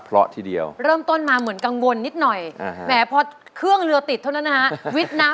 รักเธอจนตายจากกัน